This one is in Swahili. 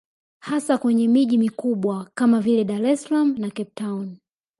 Hasa kwenye miji mikubwa kama vile Dar es salaam na Cape town